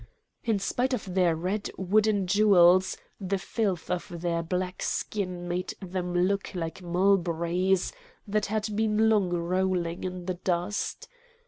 In spite of their red wooden jewels, the filth of their black skin made them look like mulberries that had been long rolling in the dust.